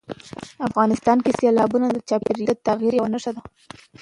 افغانستان کې سیلابونه د چاپېریال د تغیر یوه نښه ده.